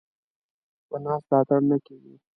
ـ په ناسته اتڼ نه کېږي.